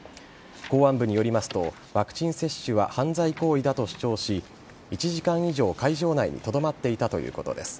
公安部によりますとワクチン接種は犯罪行為だと主張し１時間以上、会場内にとどまっていたということです。